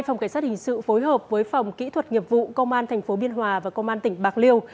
trong cái xác hình sự phối hợp với phòng kỹ thuật nghiệp vụ công an tp biên hòa và công an tỉnh bạc liêu